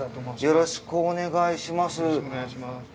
よろしくお願いします